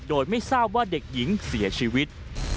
โดยไม่ทราบว่าเด็กหญิงเสียชีวิต